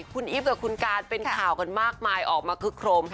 คุณอิฟว์และคุณก่านเป็นข่าวกันมากมายออกมาคึกโครม